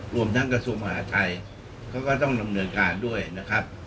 รวมทั้งกระทรวงมหาทัยเขาก็ต้องดำเนินการด้วยนะครับ